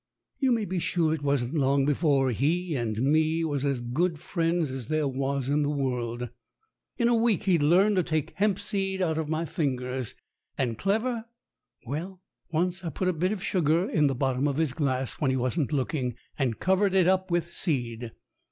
You may be sure it wasn't long before he and me was as good friends as there was in the world. In a week he'd learned to take hemp seed out of my fingers. And clever! Well, once I put a bit of sugar in the bottom of his glass, when he wasn't looking, and cov ered it up with seed.